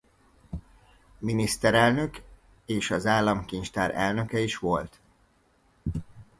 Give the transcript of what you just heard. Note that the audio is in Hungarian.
Miniszterelnök és az Államtanács elnöke is volt.